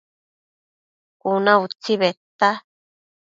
Cuna utsi bedta